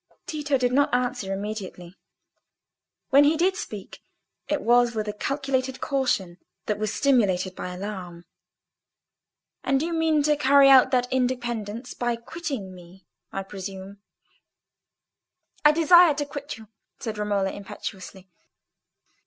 Tito did not answer immediately. When he did speak it was with a calculated caution, that was stimulated by alarm. "And you mean to carry out that independence by quitting me, I presume?" "I desire to quit you," said Romola, impetuously.